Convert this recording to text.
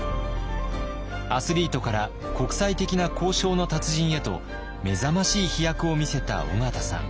アスリートから国際的な交渉の達人へと目覚ましい飛躍を見せた緒方さん。